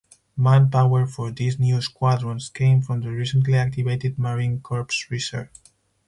Manpower for these new squadrons came from the recently activated Marine Corps Reserve.